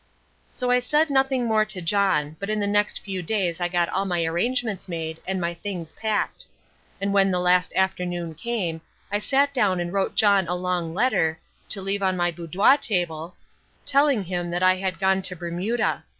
So I said nothing more to John, but in the next few days I got all my arrangements made and my things packed. And when the last afternoon came I sat down and wrote John a long letter, to leave on my boudoir table, telling him that I had gone to Bermuda.